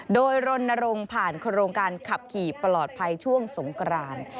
โดยรณรงค์ผ่านโครงการขับขี่ปลอดภัยช่วงสงกราน